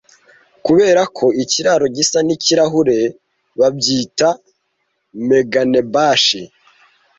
Kubera ko ikiraro gisa nikirahure, babyita Meganebashi.